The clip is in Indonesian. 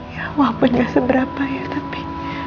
ya walaupun gak seberapa ya tapi